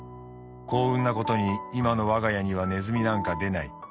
幸運なことにいまの我が家にはネズミなんか出ない。